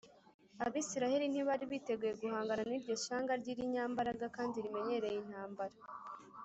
abisiraheli ntibari biteguye guhangana n’iryo shyanga ry’irinyambaraga kandi rimenyereye intambara.